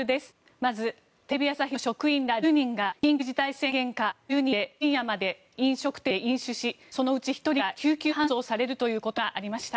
まず、テレビ朝日の職員ら１０人が緊急事態宣言下１０人で深夜まで飲食店で飲酒しそのうち１人が救急搬送されるということがありました。